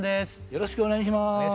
よろしくお願いします。